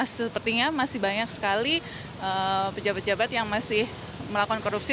sepertinya masih banyak sekali pejabat pejabat yang masih melakukan korupsi